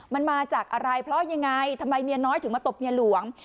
มันมาจากอะไรเพราะยังไงทำไมเมียน้อยถึงมาตบเมียหลวง